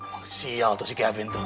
ngomong sial tuh si kevin tuh